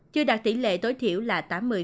chưa đạt tỷ lệ tối thiểu là tám mươi